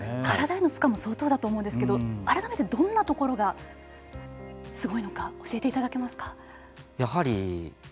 体への負荷も相当だと思うんですけれども改めてどんなところがすごいのか教えていただけますか。